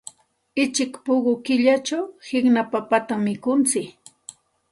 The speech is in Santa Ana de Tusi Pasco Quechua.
Uchik puquy killachaq qiqna papatam mikuntsik.